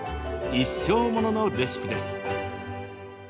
一生もののレシピです。